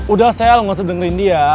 udah sel gak usah dengerin dia